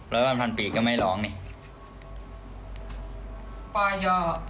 ร้อยวันพันปีกก็ไม่ร้องเนี่ย